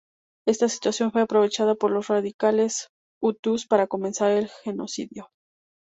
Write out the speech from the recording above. Esta situación fue aprovechada por los radicales hutus para comenzar el genocidio.